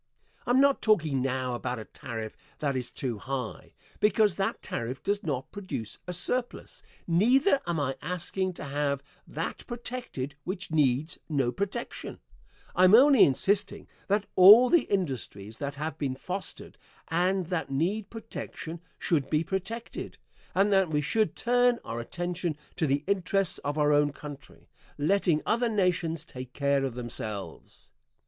I am not talking now about a tariff that is too high, because that tariff does not produce a surplus neither am I asking to have that protected which needs no protection I am only insisting that all the industries that have been fostered and that need protection should be protected, and that we should turn our attention to the interests of our own country, letting other nations take care of themselves.